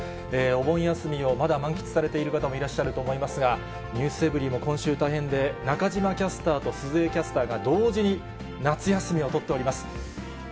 お盆休みをまだ満喫されている方もいらっしゃると思いますが、ｎｅｗｓｅｖｅｒｙ．も今週大変で、中島キャスターと鈴江キャスターが同時に夏休みを取っております。